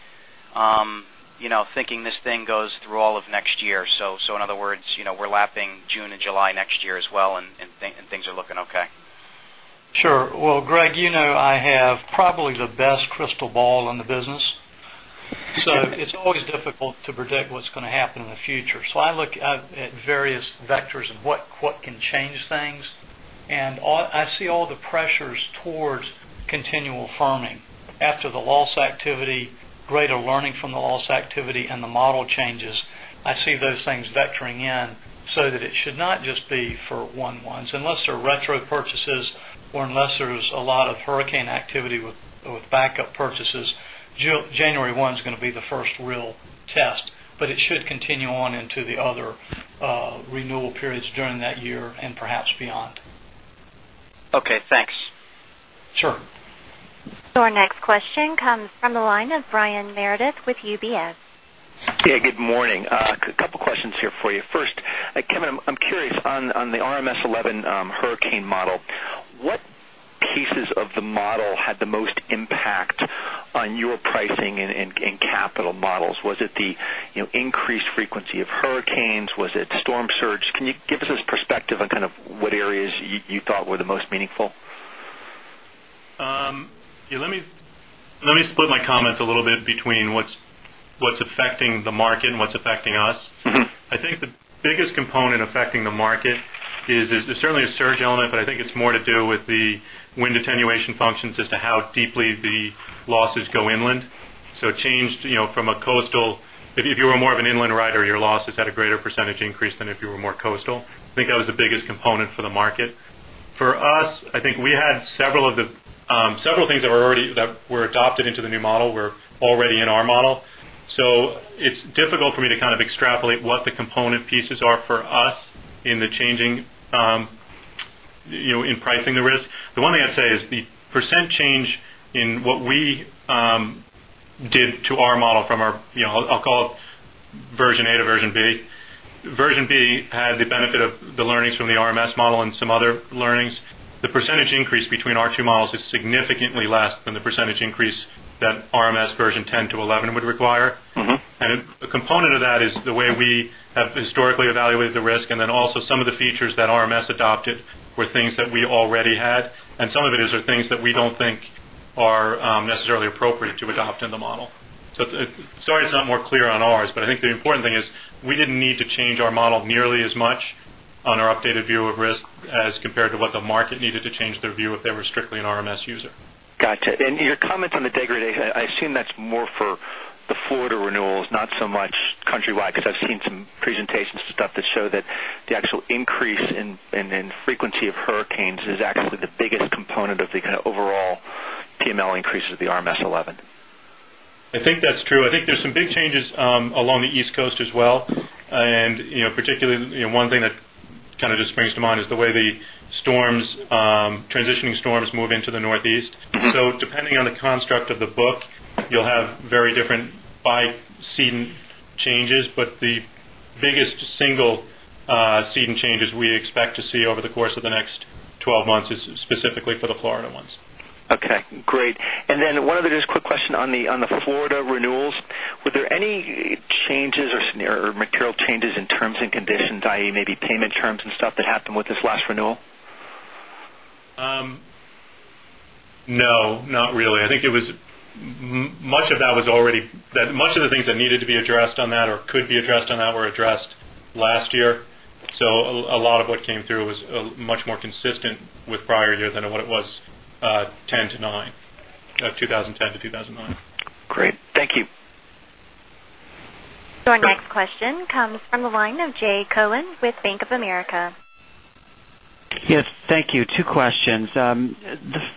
Speaker 9: thinking this thing goes through all of next year? In other words, we're lapping June and July next year as well and things are looking okay.
Speaker 3: Sure. Greg, you know I have probably the best crystal ball in the business. It's always difficult to predict what's going to happen in the future. I look at various vectors of what can change things, I see all the pressures towards continual firming. After the loss activity, greater learning from the loss activity, the model changes, I see those things vectoring in that it should not just be for one-offs. Unless they're retro purchases or unless there's a lot of hurricane activity with backup purchases January 1 is going to be the first real test, it should continue on into the other renewal periods during that year and perhaps beyond.
Speaker 9: Okay, thanks.
Speaker 3: Sure.
Speaker 1: Our next question comes from the line of Brian Meredith with UBS.
Speaker 10: Good morning. A couple questions here for you. First, Kevin, I'm curious on the RMS 11 hurricane model, what pieces of the model had the most impact on your pricing and capital models? Was it the increased frequency of hurricanes? Was it storm surge? Can you give us a perspective on what areas you thought were the most meaningful?
Speaker 4: Let me split my comments a little bit between what's affecting the market and what's affecting us. I think the biggest component affecting the market is, there's certainly a surge element, but I think it's more to do with the wind attenuation functions as to how deeply the losses go inland. It changed from a coastal, if you were more of an inland writer, your losses had a greater percentage increase than if you were more coastal. I think that was the biggest component for the market. For us, I think we had several things that were adopted into the new model, were already in our model. It's difficult for me to kind of extrapolate what the component pieces are for us in pricing the risk. The one thing I'd say is the percent change in what we did to our model from our, I'll call it version A to version B. Version B had the benefit of the learnings from the RMS model and some other learnings. The percentage increase between our two models is significantly less than the percentage increase that RMS version 10 to 11 would require. A component of that is the way we have historically evaluated the risk, and then also some of the features that RMS adopted were things that we already had. Some of it is are things that we don't think are necessarily appropriate to adopt in the model. Sorry it's not more clear on ours, but I think the important thing is we didn't need to change our model nearly as much on our updated view of risk as compared to what the market needed to change their view if they were strictly an RMS user.
Speaker 10: Gotcha. Your comment on the degradation, I assume that's more for the Florida renewals, not so much countrywide, because I've seen some presentation stuff that show that the actual increase in frequency of hurricanes is actually the biggest component of the kind of overall PML increase of the RMS 11.
Speaker 4: I think that's true. I think there's some big changes along the East Coast as well. Particularly, one thing that kind of just springs to mind is the way the transitioning storms move into the Northeast. Depending on the construct of the book, you'll have very different by season changes. The biggest single season changes we expect to see over the course of the next 12 months is specifically for the Florida ones.
Speaker 10: Okay, great. Then one other just quick question on the Florida renewals, were there any changes or material changes in terms and conditions, i.e., maybe payment terms and stuff that happened with this last renewal?
Speaker 4: No, not really. I think much of the things that needed to be addressed on that or could be addressed on that were addressed last year. A lot of what came through was much more consistent with prior years than what it was '10 to '9, 2010 to 2009.
Speaker 10: Great. Thank you.
Speaker 1: Our next question comes from the line of Jay Cohen with Bank of America.
Speaker 11: Yes. Thank you. Two questions. The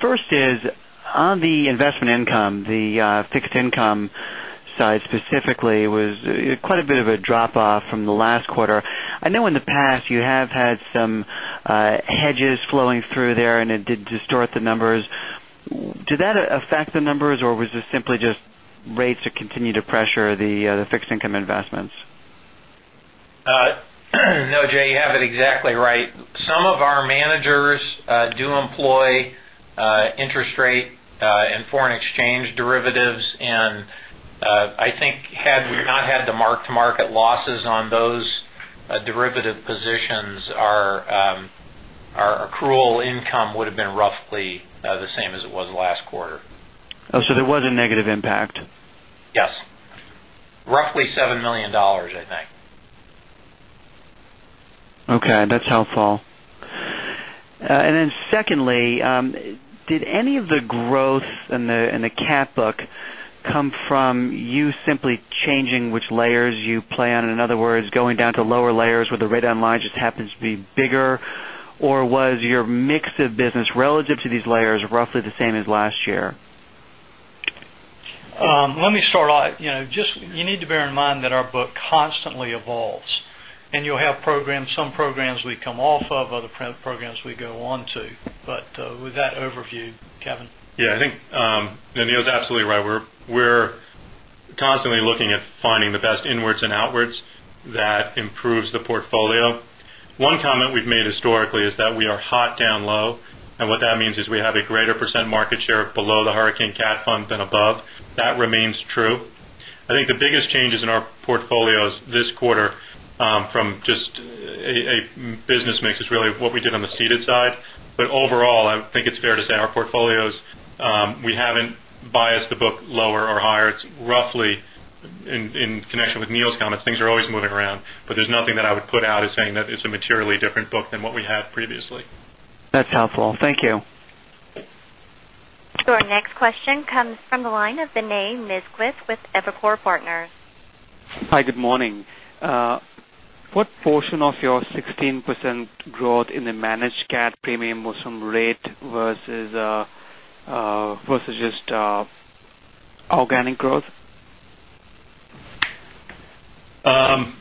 Speaker 11: first is on the investment income, the fixed income side specifically was quite a bit of a drop off from the last quarter. I know in the past you have had some hedges flowing through there, and it did distort the numbers. Did that affect the numbers, or was this simply just rates that continue to pressure the fixed income investments?
Speaker 5: No, Jay, you have it exactly right. Some of our managers do employ interest rate and foreign exchange derivatives, and I think had we not had the mark-to-market losses on those derivative positions, our accrual income would have been roughly the same as it was last quarter.
Speaker 11: There was a negative impact?
Speaker 5: Yes. Roughly $7 million, I think.
Speaker 11: Okay. That's helpful. Then secondly, did any of the growth in the cat book come from you simply changing which layers you play on? In other words, going down to lower layers where the rate on line just happens to be bigger. Or was your mix of business relative to these layers roughly the same as last year?
Speaker 3: Let me start off. You need to bear in mind that our book constantly evolves, you'll have some programs we come off of, other programs we go on to. With that overview, Kevin?
Speaker 4: Yeah, I think Neill's absolutely right. We're constantly looking at finding the best inwards and outwards that improves the portfolio. One comment we've made historically is that we are hot down low, and what that means is we have a greater % market share below the hurricane Cat Fund than above. That remains true. I think the biggest changes in our portfolios this quarter from just a business mix is really what we did on the ceded side. Overall, I think it's fair to say our portfolios, we haven't biased the book lower or higher. It's roughly in connection with Neill's comments, things are always moving around, but there's nothing that I would put out as saying that it's a materially different book than what we had previously.
Speaker 11: That's helpful. Thank you.
Speaker 1: Our next question comes from the line of Vinay Misquith with Evercore Partners.
Speaker 12: Hi, good morning. What portion of your 16% growth in the managed CAT premium was from rate versus just organic growth?
Speaker 4: I'll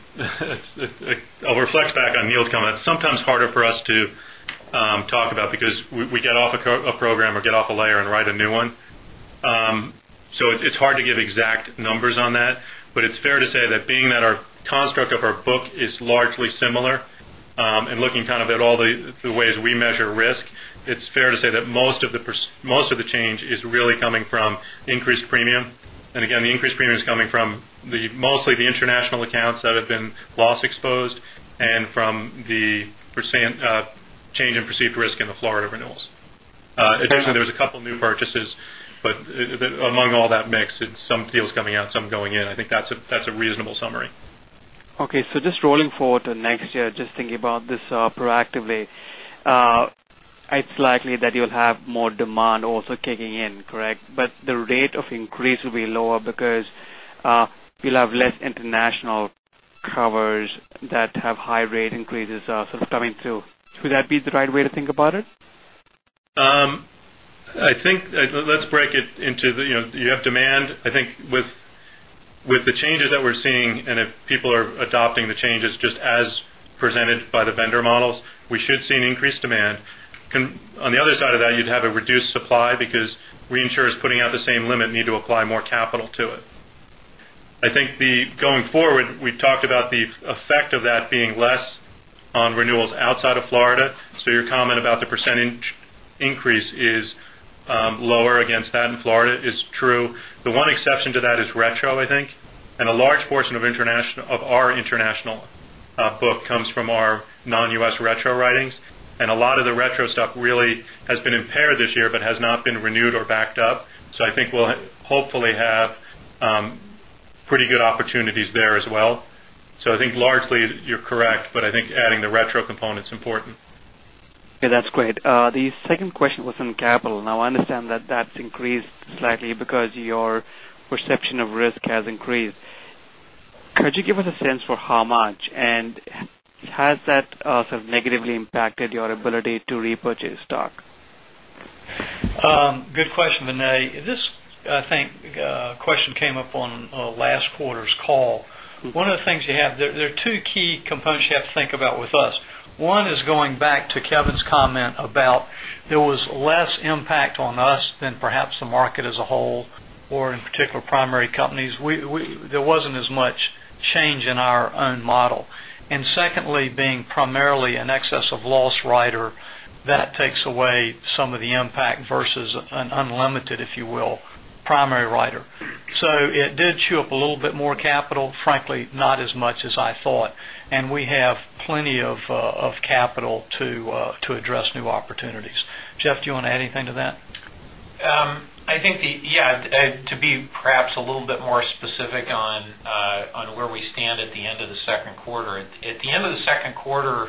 Speaker 4: reflect back on Neill's comment. It's sometimes harder for us to talk about because we get off a program or get off a layer and write a new one. It's hard to give exact numbers on that, but it's fair to say that being that our construct of our book is largely similar, and looking kind of at all the ways we measure risk, it's fair to say that most of the change is really coming from increased premium. The increased premium is coming from mostly the international accounts that have been loss exposed and from the change in perceived risk in the Florida renewals. Additionally, there was a couple new purchases, but among all that mix, some deals coming out, some going in. I think that's a reasonable summary.
Speaker 12: Just rolling forward to next year, just thinking about this proactively. It's likely that you'll have more demand also kicking in, correct? The rate of increase will be lower because you'll have less international covers that have high rate increases sort of coming through. Would that be the right way to think about it?
Speaker 4: Let's break it into you have demand, I think with the changes that we're seeing, and if people are adopting the changes just as presented by the vendor models, we should see an increased demand. On the other side of that, you'd have a reduced supply because reinsurers putting out the same limit need to apply more capital to it. I think going forward, we've talked about the effect of that being less on renewals outside of Florida. Your comment about the percentage increase is lower against that in Florida is true. The one exception to that is retro, I think. A large portion of our international book comes from our non-U.S. retro writings. A lot of the retro stuff really has been impaired this year but has not been renewed or backed up. I think we'll hopefully have pretty good opportunities there as well. I think largely you're correct, but I think adding the retro component is important.
Speaker 12: Yeah, that's great. The second question was on capital. I understand that that's increased slightly because your perception of risk has increased. Could you give us a sense for how much, and has that sort of negatively impacted your ability to repurchase stock?
Speaker 3: Good question, Vinay. This, I think, question came up on last quarter's call. There are two key components you have to think about with us. One is going back to Kevin's comment about there was less impact on us than perhaps the market as a whole or in particular primary companies. There wasn't as much change in our own model. Secondly, being primarily an Excess of Loss writer, that takes away some of the impact versus an unlimited, if you will, primary writer. It did chew up a little bit more capital. Frankly, not as much as I thought. We have plenty of capital to address new opportunities. Jeff, do you want to add anything to that?
Speaker 5: Yes. To be perhaps a little bit more specific on where we stand at the end of the second quarter. At the end of the second quarter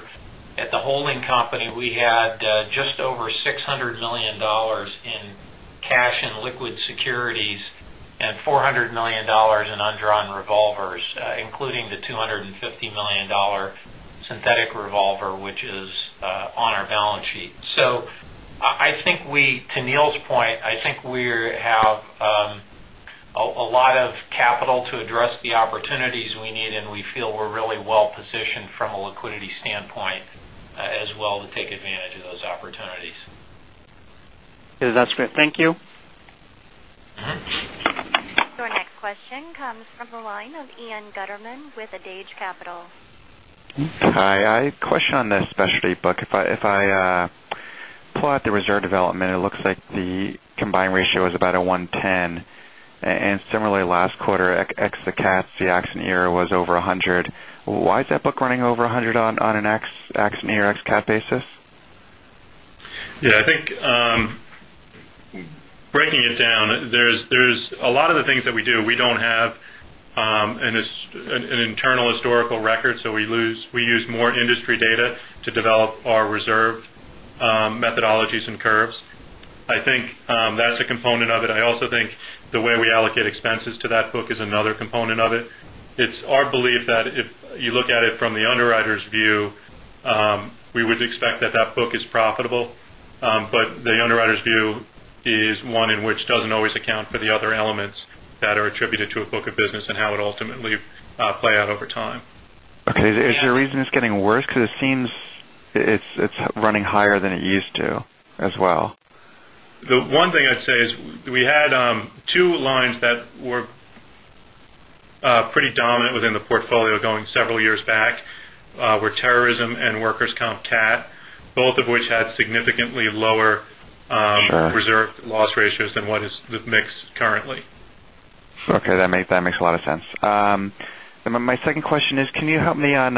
Speaker 5: at the holding company, we had just over $600 million in cash and liquid securities and $400 million in undrawn revolvers, including the $250 million synthetic revolver, which is on our balance sheet. To Neill's point, I think we have a lot of capital to address the opportunities we need, and we feel we're really well-positioned from a liquidity standpoint as well to take advantage of those opportunities.
Speaker 12: Okay, that's great. Thank you.
Speaker 1: Our next question comes from the line of Ian Gutterman with Adage Capital.
Speaker 13: Hi. A question on the specialty book. If I pull out the reserve development, it looks like the combined ratio is about a 110. Similarly, last quarter, ex the cats, the accident year was over 100. Why is that book running over 100 on an accident year ex CAT basis?
Speaker 4: Yeah, I think breaking it down, there's a lot of the things that we do, we don't have an internal historical record, we use more industry data to develop our reserve methodologies and curves. I think that's a component of it. I also think the way we allocate expenses to that book is another component of it. It's our belief that if you look at it from the underwriter's view, we would expect that that book is profitable. The underwriter's view is one in which doesn't always account for the other elements that are attributed to a book of business and how it ultimately play out over time.
Speaker 13: Okay. Is there a reason it's getting worse? It seems it's running higher than it used to as well.
Speaker 4: The one thing I'd say is we had two lines that were pretty dominant within the portfolio going several years back were terrorism and workers' comp cat, both of which had significantly lower-
Speaker 13: Sure
Speaker 4: reserve loss ratios than what is the mix currently.
Speaker 13: Okay. That makes a lot of sense. My second question is, can you help me on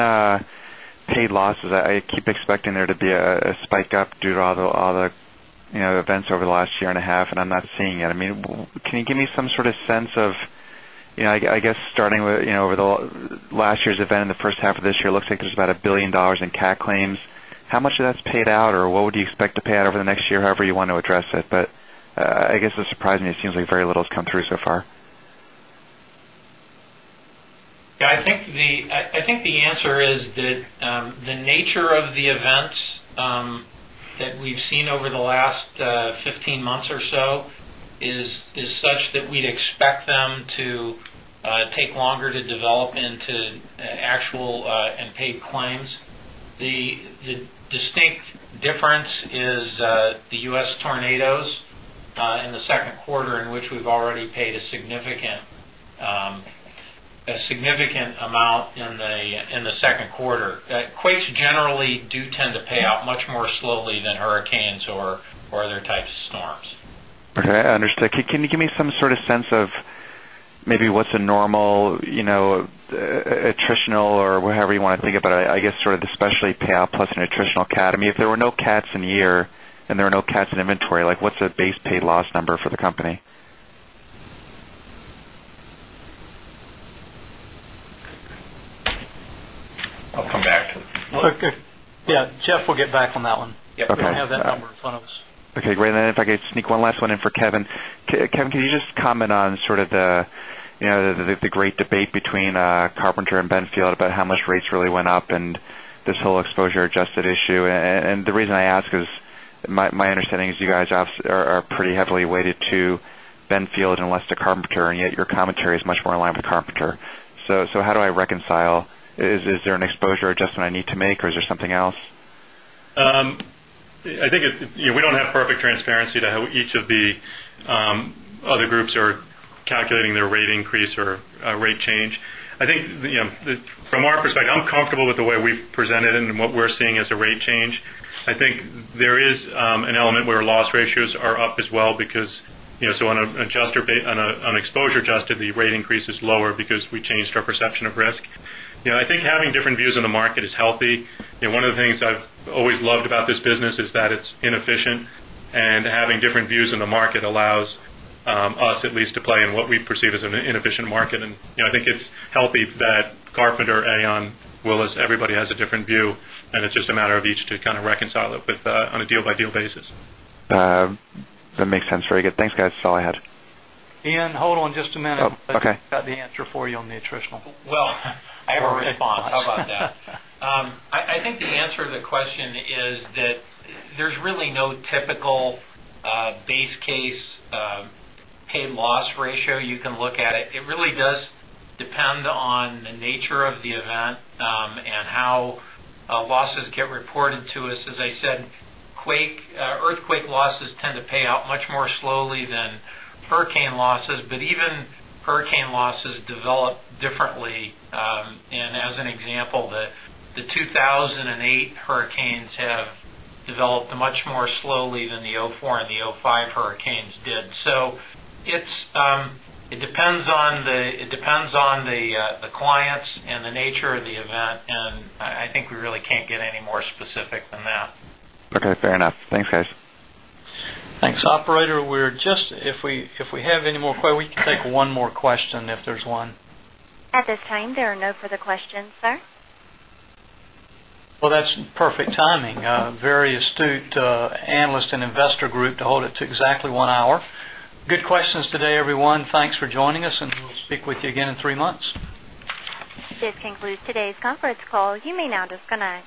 Speaker 13: paid losses? I keep expecting there to be a spike up due to all the events over the last year and a half, and I'm not seeing it. Can you give me some sort of sense of, I guess, starting with last year's event and the first half of this year, it looks like there's about $1 billion in cat claims. How much of that's paid out, or what would you expect to pay out over the next year, however you want to address it? I guess it surprised me. It seems like very little has come through so far.
Speaker 5: Yeah, I think the answer is that the nature of the events that we've seen over the last 15 months or so is such that we'd expect them to take longer to develop into actual and paid claims. The distinct difference is the U.S. tornadoes in the second quarter, in which we've already paid a significant amount in the second quarter. Quakes generally do tend to pay out much more slowly than hurricanes or other types of storms.
Speaker 13: Okay, understood. Can you give me some sort of sense of maybe what's a normal attritional or however you want to think about it, I guess sort of the specialty payout plus an attritional cat? If there were no cats in a year and there are no cats in inventory, what's the base paid loss number for the company?
Speaker 5: I'll come back to that.
Speaker 3: Okay. Yeah, Jeff will get back on that one.
Speaker 13: Okay.
Speaker 3: We don't have that number in front of us.
Speaker 13: Okay, great. If I could sneak one last one in for Kevin. Kevin, can you just comment on sort of the great debate between Carpenter and Benfield about how much rates really went up and this whole exposure-adjusted issue? The reason I ask is, my understanding is you guys are pretty heavily weighted to Benfield and less to Carpenter, yet your commentary is much more in line with Carpenter. How do I reconcile? Is there an exposure adjustment I need to make, or is there something else?
Speaker 4: We don't have perfect transparency to how each of the other groups are calculating their rate increase or rate change. I think from our perspective, I'm comfortable with the way we've presented it and what we're seeing as a rate change. I think there is an element where loss ratios are up as well because on exposure adjusted, the rate increase is lower because we changed our perception of risk. I think having different views on the market is healthy. One of the things I've always loved about this business is that it's inefficient, and having different views on the market allows us at least to play in what we perceive as an inefficient market. I think it's healthy that Carpenter, Aon, Willis, everybody has a different view, and it's just a matter of each to kind of reconcile it on a deal-by-deal basis.
Speaker 13: That makes sense. Very good. Thanks, guys. That's all I had.
Speaker 3: Ian, hold on just a minute.
Speaker 13: Oh, okay.
Speaker 3: Let's see if we got the answer for you on the attritional.
Speaker 5: Well, I have a response. How about that? I think the answer to the question is that there's really no typical base case paid loss ratio you can look at it. It really does depend on the nature of the event and how losses get reported to us. As I said, earthquake losses tend to pay out much more slowly than hurricane losses, but even hurricane losses develop differently. As an example, the 2008 hurricanes have developed much more slowly than the '04 and the '05 hurricanes did. It depends on the clients and the nature of the event, and I think we really can't get any more specific than that.
Speaker 13: Okay, fair enough. Thanks, guys.
Speaker 3: Thanks. Operator, if we have any more, we can take one more question if there's one.
Speaker 1: At this time, there are no further questions, sir.
Speaker 3: Well, that's perfect timing. Very astute analyst and investor group to hold it to exactly one hour. Good questions today, everyone. Thanks for joining us, and we'll speak with you again in three months.
Speaker 1: This concludes today's conference call. You may now disconnect.